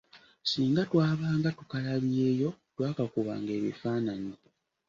Singa twabanga tukalabyeyo twakakubanga ebifaananyi